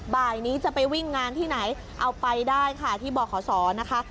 บ่ายนี้จะไปวิ่งงานที่ไหนเอาไปได้ค่ะที่บขศนะคะ